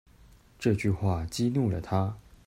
這句話激怒了他